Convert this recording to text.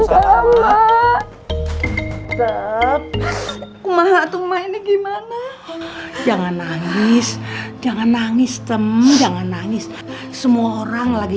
maaf kumaha tunggu mainnya gimana jangan nangis jangan nangis temen jangan nangis semua orang lagi